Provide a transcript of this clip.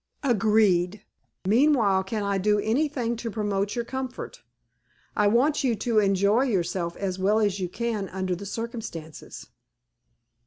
"Agreed. Meanwhile can I do anything to promote your comfort? I want you to enjoy yourself as well as you can under the circumstances."